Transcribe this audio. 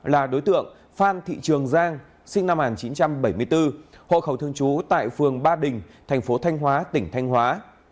là đối tượng phan thị trường giang sinh năm một nghìn chín trăm bảy mươi bốn hộ khẩu thương chú tại phường ba đình thành phố thanh hóa tỉnh thanh hóa